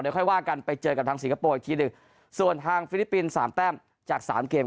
ค่อยว่ากันไปเจอกับทางสิงคโปร์อีกทีหนึ่งส่วนทางฟิลิปปินส์สามแต้มจากสามเกม